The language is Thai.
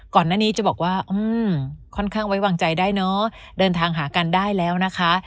ก่อนหน้านี้จะบอกว่าค่อนข้างไว้วางใจได้เนอะเดินทางหากันได้แล้วนะคะ